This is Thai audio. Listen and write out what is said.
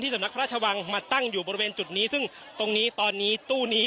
สำนักพระราชวังมาตั้งอยู่บริเวณจุดนี้ซึ่งตรงนี้ตอนนี้ตู้นี้